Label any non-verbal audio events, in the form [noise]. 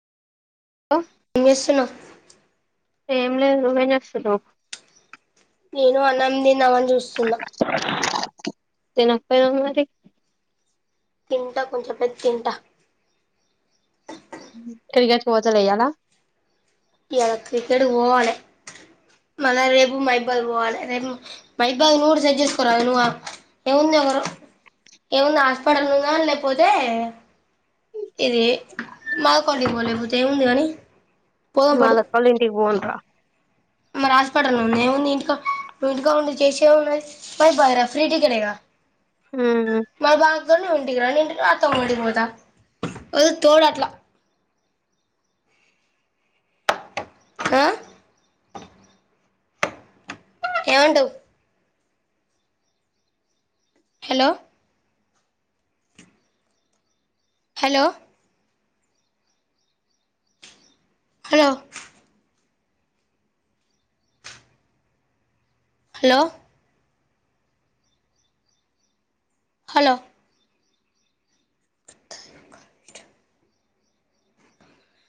ఏం జేస్సున్నవ్ ఎం లేదు నువ్వు ఎం చేస్తున్నావ్ నేను అన్నం తిందామని చూస్తున్నా తినకపోయినవ్ మరి తింటా కొంచెం [unintelligible] తింటా క్రికెట్ కి పోతడా ఇయాల ఇయాల క్రికెట్ కి వొవాలే మళ్ళా రేపు మహిబాద్ పోవాలే రేపు మహిబాద్ నువ్వు కూడా సెట్ చేసుకోరాదు నువ్వ్ ఏముంది ఒకరు ఏముంది హాస్పిటల్ [unintelligible] లేకపోతే ఇదే మా అక్కోళ్ల ఇంటికి పో లేకపోతే ఎం ఉంది గాని మా అక్కోళ్ల ఇంటికి పోను రా హాస్పిటళ్లనే ఉండు ఏముంది ఇంట్లో నువ్వు ఇంటికాడ ఉండి చేసేదేమున్నది [unintelligible] ఫ్రీ టికెట్ ఏ గా ఊ ఉ నువ్వు ఇంటికి రా నేను అత్తమ్మోళ్ల ఇంటికి పోత ఎదో తోడు అట్లా ఆ ఏమంటావ్ hello hello hello hello hello అథ